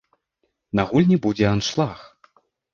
На гульні будзе аншлаг.